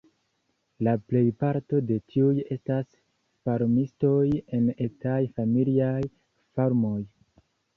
La plejparto de tiuj estas farmistoj en etaj familiaj farmoj.